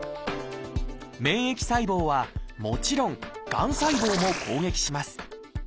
免疫細胞はもちろんがん細胞も攻撃します。